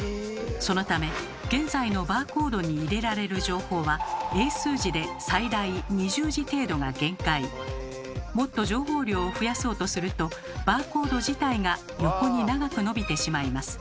そのため現在のバーコードに入れられる情報は英数字でもっと情報量を増やそうとするとバーコード自体が横に長くのびてしまいます。